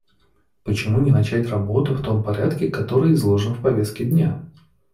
Почему не начать работу в том порядке, который изложен в повестке дня?